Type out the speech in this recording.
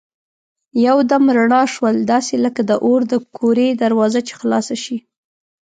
یو دم رڼا شول داسې لکه د اور د کورې دروازه چي خلاصه شي.